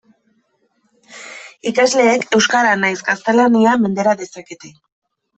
Ikasleek euskara nahiz gaztelania mendera dezakete.